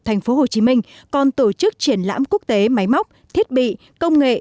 thành phố hồ chí minh còn tổ chức triển lãm quốc tế máy móc thiết bị công nghệ